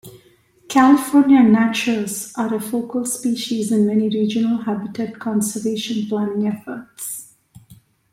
California gnatcatchers are a focal species in many regional habitat conservation planning efforts.